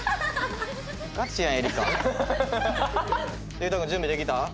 佑太郎君準備できた？